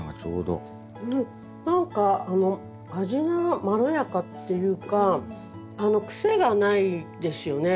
何か味がまろやかっていうか癖がないですよね。